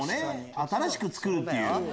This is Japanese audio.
新しく作るっていう。